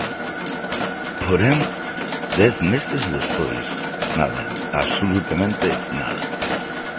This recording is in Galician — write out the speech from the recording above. Porén, dez meses despois, nada, absolutamente nada.